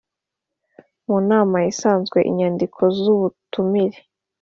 mu nama isanzwe Inyandiko z ubutumire